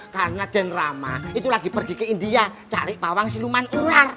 karena denrama itu lagi pergi ke india cari pawang siluman ular